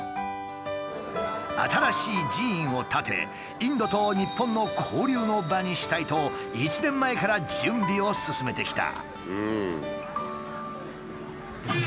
新しい寺院を建てインドと日本の交流の場にしたいと１年前から準備を進めてきた。